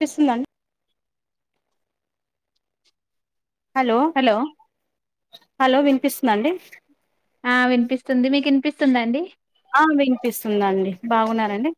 పిస్తుందా hello hello వినిపిస్తుందండి ఆ వినిపిస్తుంది మీకు వినిపిస్తుందా అండి ఆ వినిపిస్తుందండి బాగున్నారండి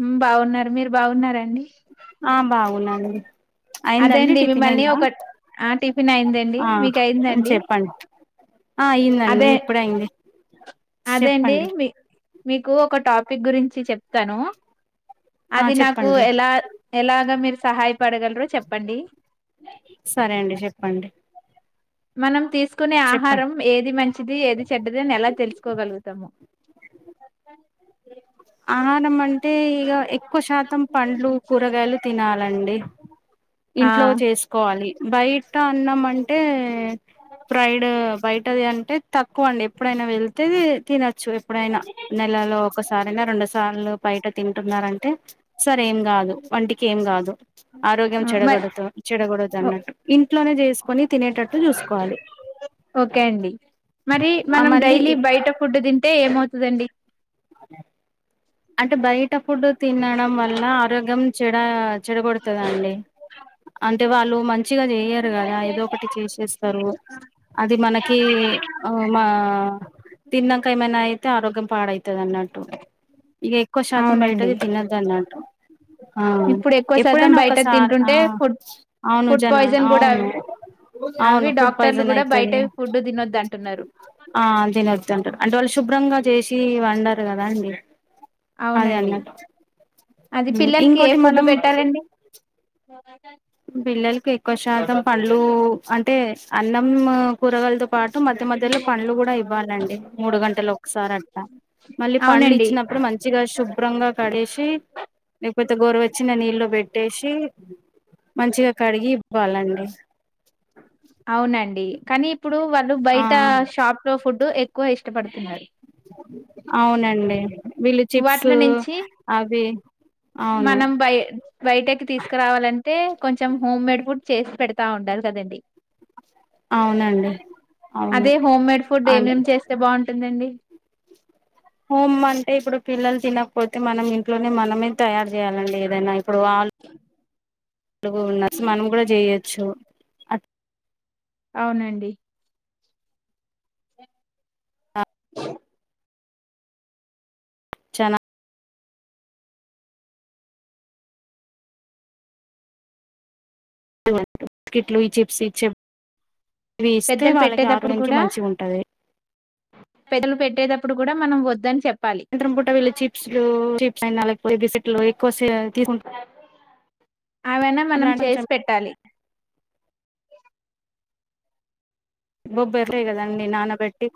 ఉమ్ బాగున్నారు మీరు బాగున్నార ఆ బాగున్నా అండి అదే అయిందండి అండి టిఫిన్ మిమ్మల్ని అయిందా ఒక ఆ టిఫిన్ అయిందండి ఆ మీకు అయిందండి చెప్పండి ఆ అయిందండి అదే ఇప్పుడే అయింది అదే అండి చెప్పండి మీ మీకు ఒక టాపిక్ గురించి చెప్తాను ఆ అది నాకు చెప్పండి ఎలా ఎలాగా మీరు సహాయపడగలరో చెప్పండి న [unintelligible] సరే అండి చెప్ప మనం తీస్ తీసుకునే చెప్పండి ఆహారం ఏది మంచిది ఏది చెడ్డది అని ఎలా తెలుసుకోగలుగుతాము స [unintelligible] ఆహారం అంటే ఇగా ఎక్కువ శాతం పండ్లు కూరగాయలు తినాలండి ఆ ఇంట్లో చేసుకోవాలి బయట అన్నం అంటే ఫ్రైడ్ బయటది అంటే తక్కువండి ఎప్పుడైనా వెళ్తే తినచ్చు ఎప్పుడైనా నెలలో ఒకసా రెండు సార్లు బయట తింటురంటే సర్ ఏం గాదు వంటికి ఏం గాదు ఆరోగ్య ఆ, మరి చెడగొడతో చెడగొడతో ఓ- అన్నట్టు ఇంట్లోనే చేసుకుని తినేట ఓకే అండి మరి ఆ మనం మళ్ళీ డైలీ బయట ఫుడ్ తింటే ఏమవు తదండి అంటే బయట ఫుడ్ తినడం వల్ల ఆరోగ్యం చెడ చ్చడగోడుతదండి అంటే వాళ్ళు మం చిగా చేయరు గదా ఏదో ఒకటి చేసేస్తారు అది మనకి ఉ మా తిన్నంక ఏమన్నాయి తె ఆరోగ్యం పాడయితది అన్నట్టు ఇగ ఎక్కువ శాతం అవునండి బయటది తినద్దన్నట్టు ఆ ఇప్పుడు ఎక్కువ శాతం ఎప్పుడైనా బయట ఒకసారి ఆ తింటుంటే ఫుడ్ అవును ఫుడ్ జనా పాయిజన్ కూడా అవును అవి అవును ఫుడ్ డాక్టర్లు పయిసన్ కూడా బయట అయితది ఫుడ్ తినొద్దు అంటున్నారు ఆల్దినద్దాంటారు అంటే వాళ్ళు శుభ్రంగా చేసి వండారు కదా అండి అదే అవునండి అన్నట్టు అది ఉమ్, పిల్లల్కి ఏ ఇంకోటి ఫుడ్ మనం పెట్టాలండి పిల్లల్కి ఎక్కువ శాతం పండ్లు అంటే అన్నం కూరగాయలతో పాటు మధ్య మధ్యలో పండ్లు కూడా ఇవ్వాలండి మూడు గంటలు ఒకసారి అట్ట మళ్ళీ పండ్లు అవునండి ఇచ్చినప్పుడు మంచిగా శుభ్రంగా కడేసి లేకపోతే గోరవెచ్చనీ నీళ్లు పెట్టేసి మంచిగా కడిగి ఇవ్వాలండి అవునండి కనీ ఇప్పుడు వాళ్ళు ఆ బయట షాప్ లో ఫుడ్ ఎ ఎక్కువ ఇష్టపడుతున్నారు అవునండి వీళ్ళు చిప్స్ వాటిల నుంచి అవి అవును మనం బయ బయటకి తీసుకురావాలంటే కొంచెం హోమ్మేడ్ ఫుడ్ చేసి పెడుతు తా ఉండాలి కదండి అవునండి అవును అదే హోమ్ మేడ్ ఫుడ్ అవును ఏమేమి చేస్తే బాగుంటుందండి హోమ్ అంటే ఇప్పుడు పిల్లలు తినకపోతే మనం ఇంట్లోనే మనమే తయారు చేయాలండి ఏదైనా ఇప్పుడు వాళ్ళు ఉన్నరు మనం కూడా చేయొచ్చు అట్ అవునండి చానా కేట్లు ఈ చిప్స్ ఈ చిప్ పెద్దలు పెట్టేటప్పుడు కూడా ఉంటది పెద్దలు పెట్టేటప్పుడు ఎప్పుడు కూడా మనం వద్దని చెప్ యంత్రం పూట వీళ్ళు చిప్స్ చిప్స్ [unintelligible] బిస్కెట్లు ఎక్కువ తీసుకుంటా అవైనా మనం చేసి పెట్టాలి బొబ్బర్లే కదండి నానబెట్టి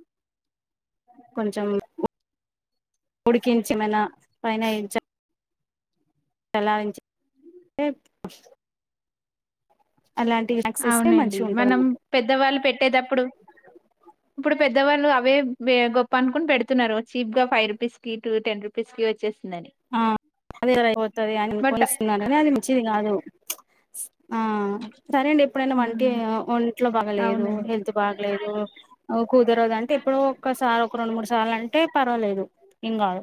కొంచెం ఉడికించి మనా పైన ఎంచ చలా ఉంచి ఇస్తే అవునండి మంచిగా మనం ఉంటది పెద్దవాళ్ళు పెట్టేటప్పుడు ఇప్పుడు పెద్దవాళ్ళు అవే గొప్ప అనుకుని పెడుతున్నరు చీప్గా ఫైవ్ రూపీస్కి టూ టెన్ రూపీస్కి వచ్చేసి ఆ అదే [unintelligible] అయిపోతది అని బట్ అనుకోని ఇస్తున్నరు కానీ అది మంచిది కాదు ఆ సరే అండి ఎప్పుడైనా మనకి ఉమ్, ఒంట్లో బాగలేదు అవునండి హెల్త్ బాగలేదు కుదరదు అంటే ఎప్పుడో ఒక్కసారి ఒక రెండు మూడు సార్లు అంటే పర్వాలేదు ఏం కాదు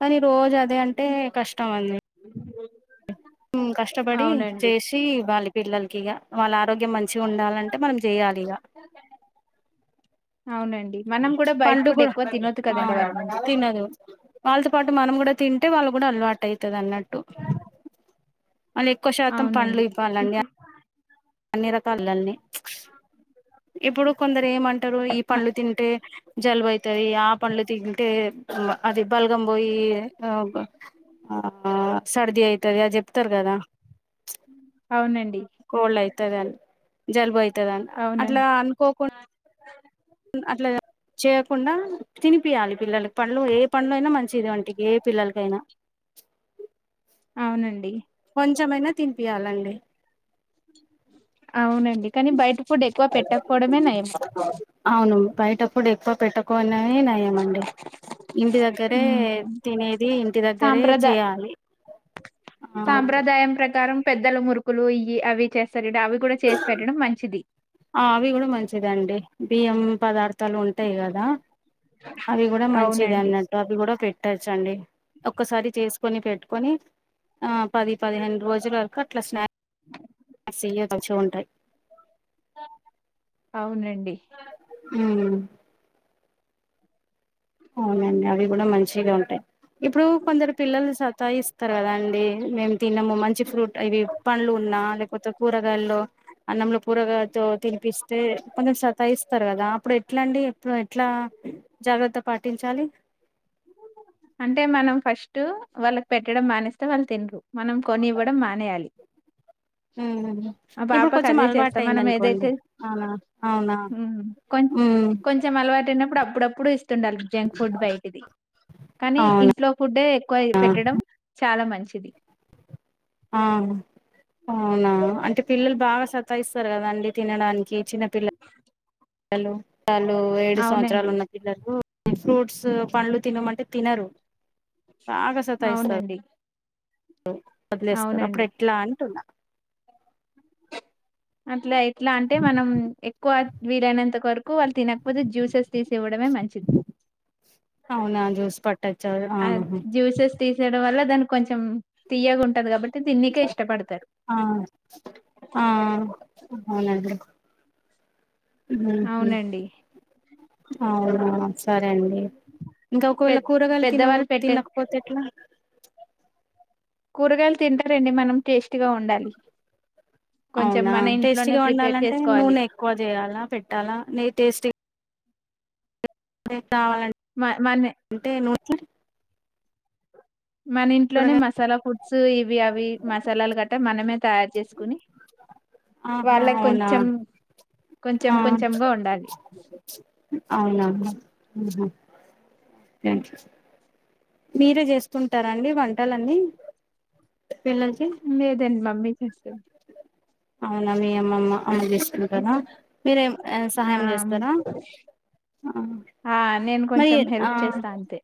కానీ రోజు అదే అంటే కష్టం అండి కష్టపడి అవునండి చేసి ఇవ్వాలి పిల్లలకి ఇక వాళ్ళ ఆరోగ్యం మంచిగ ఉండాలంటే మనం చేయాలి ఇగ అవునండి మనం కూడా బయట పండు ఫుడ్ కూడా ఎక్కువ తినొద్దు కదండి వాళ్ళ ఆ ముందు తినదు వాళ్ళతో పాటు మనం కూడా తింటే వాళ్ళకి కూడా అలవాటు టైతది అన్నట్టు మళ్ళీ ఎక్కువ శాతం అవునండి పండ్లు ఇవ్వాలండి ఇప్పుడు అన్ని రకాలుగా అండి ఇప్పుడు కొందరు ఏమంటరు ఈ మ- పండ్లు తింటే జలుబైతది ఆ పండ్లు తింటే టె అది బల్గంబోయి సర్ది అయిత తది ఇగ చెప్తరు కదా అవునండి కోల్డ్ అయితది అని జలుబు అయితదని అట్లా అవునండి అనుకోకుండా అట్లా చేయకుండా తినిపియ్యాలి పిల్లలకు పండ్లు ఏ పండ్లు అయినా మంచిది వంటికి ఏ పిల్లలకైనా అవునండి కొంచమైనా తినిపియ్యాలండి అవునండి కానీ బయట ఫుడ్ ఎక్కువ పెట్టకపోవడమే నయం అవును బయట ఫుడ్ ఎక్కువ పెట్టకునే నయమండి ఇంటి దగ్గరే ఉమ్, తినేది ఇంటి దగ్గరే సాంప్రదా చేయాలి ఆ సాంప్రదాయం ప్రకారం పెద్దలు మురుకులు ఇవి అవి చేస్తరు అవి కూడా చేసి పెట్టడం మంచిది ఆ అవి గూడా మంచిదే అండి బియ్యం పదార్థాలు ఉంటాయ్ గదా అవి గూడా మంచిదే అవునండి అన్నట్టు అవి కూడా పెట్ ట్టచ్చండి ఒక్కసారి చేసుకొని పెట్టుకొని ఆ పది పదిహేను రోజుల వరకు అట్లా స్నాక్ స్నాక్స్ ఇయ్యె మంచిగుంటాయ్ అవునండి ఉమ్ అవునండి అవి గూడా మంచిగా ఉంటాయ్ ఇప్పుడు కొందరు పిల్లలు సత్ తాఇస్తరు కదా అండి మేం తినము మంచి ఫ్రూట్ ఇవి పండ్లు ఉన్నా లేకపోతే కూరగాయల్లో అన్నంలో కూూరగాతో తినిపిస్తే కొంచం సతాయిస్తారు కదా అప్పుడు ఎట్లా అండి అప్పుడు ఎట్లా జాగ్రత్త పాటించాలి అంటే మనం ఫస్టు వాళ్ళకి పెట్టడం మానేస్తే వాళ్ళు తిండ్రు మనం కొనివ్వడం మానేయాలి ఊ హు హు మా ఇప్పుడు పాపకు కొంచెం అదే అలవాటు చేస్తాం అయింది మనం అనుకోండి ఏదైతే అవునా అవునా కొన్ ఉమ్ కొంచెం అలవాటు అయిన్నప్పుడు అప్పుడప్పుడు ఇస్తుండాలి జంక్ ఫుడ్ బై కానీ అవునా ఇంట్లో ఫుడ్డే ఎక్కువ పెట్టడం చాలా మంచిది ఆ అవునా అంటే పిల్లలు బాగా సతాయిస్తారు కదా అండి తినడానికి చిన్నపిల్ల లు వాల్లు ఏడు సంవత్సరాలు అవునండి ఉన్న పిల్లలు ఫ్రూట్సు పండ్లు తినమంటే తినరు బాగా సతాయిస్తారు అవునండి వదిలేస్తారు అప్పుడు అవునండి ఎట్లా అంటున్నా అట్లే ఎట్లా అంటే మనం ఎక్కువ వీలైనంత వరకు వాళ్ళు తినక్ పోతే జ్యూసెస్ తీసి ఇవ్వడమే మంచిది అవునా జ్యూస్ పట్టచ్చా అద్ ఆహా. జ్యూసెస్ తీసేయ్యడం వల్ల దానికి కొంచెం తీయ్యగా ఉంటది కాబట్ ఆ ఆ అవునండీ ఊహు అవునండి అవునా సరే అండి ఇంగా పె ఒకవేళ కూరగాయలు తినవొ పెద్దవాళ్ళు పెట్టే తినకపోతే ఎట్లా కూరగాయలు తింటారండి మనం టేస్టీగా వండాలి అవునా టేస్టీగా ఉండాలంటే చేసుకోవాలి నూనె ఎక్కువ జేయాలా పెట్టాలా నెయ్యి టేస్టీగా కావాలంటే మ మన అంటే నూనె [inaudible] మనింట్లోనే కూరగాయ మసాలా ఫుడ్సు ఇ ఇవి అవి మసాలాలు గట్టా మనమే తయారు చేసుకుని ఆహా వాళ్ళ అవునా కొంచెం కొంచెం ఆ కొంచెంగా ఉండాలి అవునా ఆహ థ్యాంక్యు మీరే జేస్తుంటారా అండి వంటలన్నీ పిల్లలకి లేదండి మమ్మీ చేస్తది అవున మీ అమ్మమ్మ అమ్మ జేస్ తింటరా మీరేం ఆ సహాయం జేస్తారా ఆ ఆ నేను మరి కొంచెం ఏ ఆ హెల్ప్ చేస్తా అంతే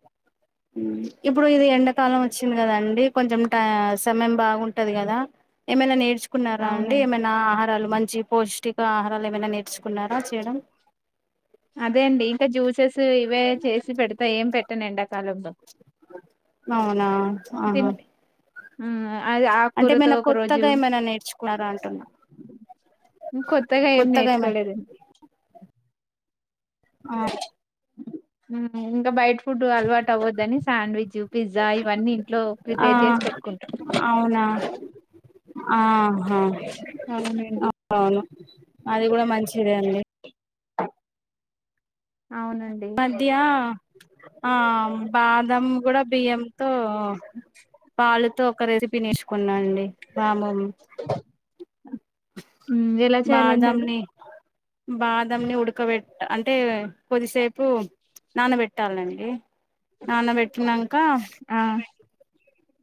ఊ ఇప్పుడు ఇది ఎండాకాలం వచ్చింది కదండి కొంచెం ట సమయం బాగుంటది కదా ఏమైనా నేర్చుకున్నారా అండి అవునండి ఏమైనా ఆహార ఆహారాలు మంచి పౌష్టిక ఆహారాలు ఏమైనా నేర్చుకున్నారా చేయడం అదే అండి ఇంకా జ్యూసెస్ ఇవే చేసి పెడతా ఏం పెట్టను ఎండాకాలంలో అవునా ఆహా ఊ అది అంటే ఆకూరతో ఏమైనా ఒక రోజు. కొత్తగా ఏమైనా నేర్చుకున్నారా అంటున్నా కొత్తగా ఏం నేర్చుకోలేదండి. ఆ ఊ ఇంకా బయట్ ఫుడ్డూ అలవాటు అవ్వొద్దని శాండ్విజ్జు, పిజ్జా ఇవన్నీ ఇంట్లో ప్రిపేర్ చేసి పెట్టుకుంటాం. అవునా ఆ ఆహా. అవునండి అవును అది గూడా మంచిదే అండి. అవునండి మధ్యా ఆం బాదం గూడా బియ్యంతో, పాలతో [inaudible] క్కరేసి పిన్నేసుకున్నా అండి మామూలు. ఉమ్, ఎలా చేయాలండి అది బాదామ్ని, బాదామ్ ని ఉడకబెట్ట్ అంటే కొద్దిసేపూ నానబెట్టాలండి. నాన్నబెట్టినంకా. ఆ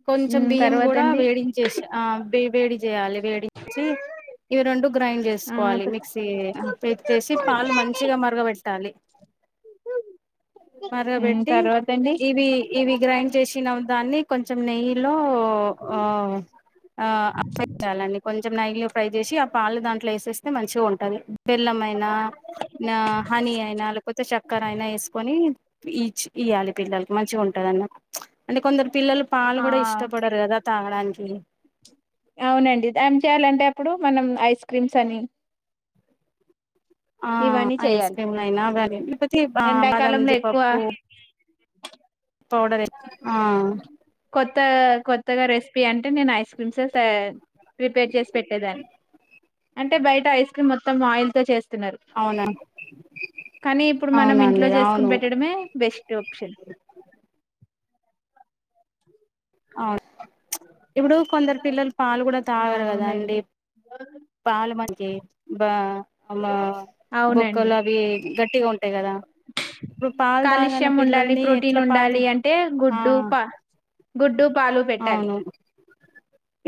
కొంచెం ఉమ్, బియ్యం తర్వాత గూడా అండి వేడించేశా ఆ వి వేడి జేయాలె వేడించీ ఇవి రెండు గ్రైండ్ ఆ చేసుకోవాలి త- మిక్సీ ఆ పెట్టేసి పాలు మంచిగ మరగబెట్టాలి. స ఊ తర్వాతేం ఇవీ ఇవి గ్రైండ్ చేశిన దాన్ని కొంచెం నెయ్యిలో ఆ ఆ [inaudible] చేయాలండి కొంచెం నెయ్యిలో ఫ్రై చేశీ ఆ పాలు దాంట్లో ఏసేస్తే మంచిగ ఉంటది. బెల్లం అయినా, నా హనీ అయినా లేకపోతే శక్కర్ అయినా ఏసుకొనీ ఈఛ్ఛ్ ఇయ్యాలే పిల్లల్కి మంచిగ ఉంటదన్నట్టు. ప్చ్ అంటే కొందరు పిల్లలు పాలు ఆ గూడా ఇష్టపడరు గదా తాగడానికి. అవునండి దాం చేయాలంటే అప్పుడూ మనం ఐస్ క్రీమ్స్ అని. ఆ ఇవన్నీ ఐస్ చేయాలి క్రీమ్ లయినా గాని, లేకపోతే ఆ బాదాం, ఎండాకాలంలో ఎక్కువ జీడిపప్పు. పౌడరే ఆ తా కొత్తగా రెసిపీ అంటే నేను ఐస్ క్రీమ్స్ ఏం సా ప్రిపేర్ చేసి పెట్టేదాన్ని. అంటే బయటా ఐస్ క్రీమ్ మొత్తం ఆయిల్ తో చేస్ అవునండ్ కానీ ఇప్పుడు మనం ఇంట్లో చేసుకొని అవును పెట్టడమే బెస్ట్ ఆప్షన్. అవు ప్చ్ ఇప్పుడూ కొందరు పిల్లలు పాలు గూడా ఆ, తాగరు కదా అండి. అవునండి పాలు మంచియి బా బా బొక్కలు అవీ గట్టిగా ఉంటాయి గదా. కాలుష్యయం ఉండాలి, ప్రోటీన్ ఎట్లా పాలు తా ఉండాలి అంటే ఆ గుడ్డు, పా గుడ్డూ, పాలు పెట్టాలి అవును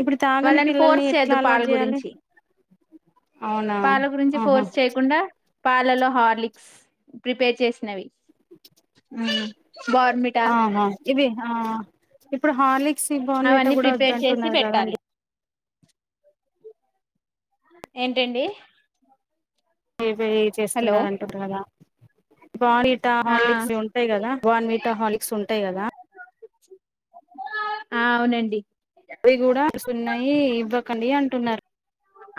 ఇప్పుడు తాగని వాళ్ళను పిల్లల్ని ఫోర్స్ ఎట్లా చేయొద్దు పాలు అలవాటు చేయాలి గురించి. అవునా పాల గురించి ఆహా ఫోర్స్ చేయకుండా. పాలలో హార్లిక్స్ ప్రిపేర్ చేసినవి. ఊ ఆహా ఇవి హా ఇప్పుడు హార్లిక్ క్స్ బోర్న్విటా అవన్నీ గూడా ప్రిపేర్ చేసి వద్దంటున్నారు కదా పెట్టాలి అండి. ఏంటండీ ఇవెయ్య్ చేస్తున్నారు అంట గదా. బోర్న్విటా, ఆ హార్లిక్స్ ఇవి ఉంటయి గదా. బోర్న్విటా, హార్లిక్స్ ఉంటయి గదా. ఆ అవునండి. అవి కూడా ఉన్నాయి ఇవ్వకండి అంటున్నా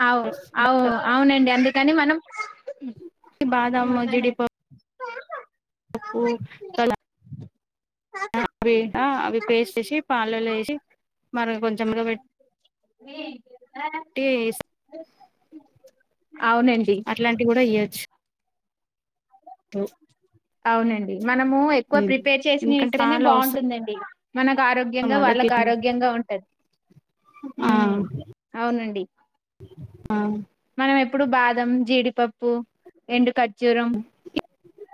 అవు అవు అవునండి అందుకని మనం బాదం జీడిప ప్పు కలా అవి ఆ అవి పేస్ట్ ఎసి పాలలో వేసి మరి కొంచెం ఉడకబెట్టి రా రా అట్లాంటి కూడా ఇ త అవునండి మనము ఎక్కువ ప్రిపేర్ చేసినయి ఎందుకంటే ఇస్తేనే పాలు అవసరం బాగుంటుందండి. మనకు ఆరోగ్యంగా కదా వాళ్ళకు పిల్ల ఆరోగ్యంగా ఉంటది. ఉమ్ అవునండి ఆ ఆ మనం ఎప్పుడు బాదం జీడిపప్పు ఎండు క ఖర్జూరం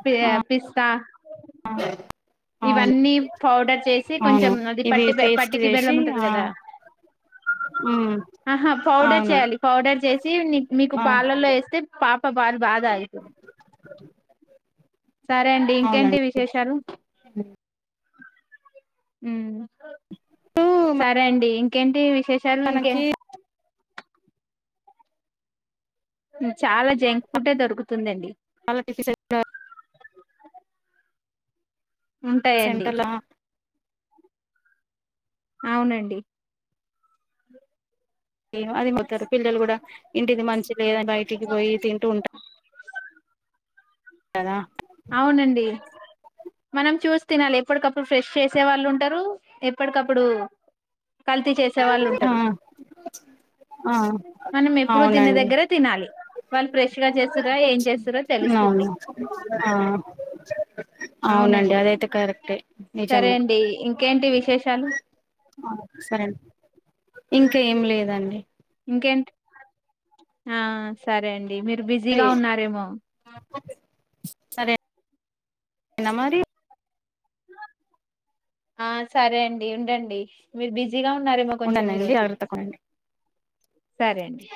పి పిస్తా అ ఇవన్నీ పౌడర్ చేసి అవును కొంచెం అది ఇవి పట్టి పట్టికి బెల్లం ఉంటది కదా అ ఆహా పౌడర్ చేయాలి పౌడర్ చేసి నీ మీకు ఆ పాలల్లో వేస్తే పాప పాలు బాగా తగ్గిది సరే అండి ఇంకేంటి అవునండి విశేషాలు. ఇప్పుడు సరే అండి ఇంకేంటి విశేషాలు ఇంకే మనకి చాలా జంక్ ఫుడ్ ఏ దొరుకుతుందండి. వాలకి స ఉంటాయండి సెంట్రలా ఆ అవునండి అది పోతారు పిల్లలు కూడా ఇంటిది మంచి లేదని బయటికి పోయి తింటూ ఉంటారు. కదా అవునండి మనం చూసి తినాలి ఎప్పటికప్పుడు ఫ్రెష్ చేసే వాళ్ళు ఉంటారు ఎప్పటికప్పుడు కల్తీ చేసే వాళ్ళు ఆ ఉంటారు ఆ మనం ఎప్పుడు తిన్న అవునండి దగ్గరే తినాలి వాళ్ళు ఫ్రె మంచిగా చేస్తురా ఏం చేస్తుర తెలుస్తుంది. అవును ఆ అవునండి అదైతే కరెక్టే సరే నిజమే అండి ఇంకేంటి విశేషాలు ఆ సరే అండి ఇంకా ఏం లేదండి. ఇంకేంటి ఆ సరే అండి మీరు బిజీగా ఉన్నారేమో సరే నా మరి ఆ సరే అండి ఉండండి మీరు బిజ్ బిజిగా ఉన్నారేమో కొంచెం ఈ ఉండనండి రోజు జాగ్రత్తగా ఉండండి సరే అండి.